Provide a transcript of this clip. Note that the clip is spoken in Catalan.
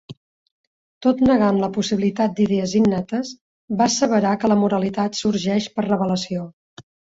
Tot negant la possibilitat d'idees innates, va asseverar que la moralitat sorgeix per revelació.